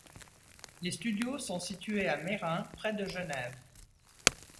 Les studios sont situés à Meyrin près de Genève.